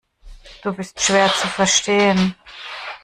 Du bist schwer zu verstehen.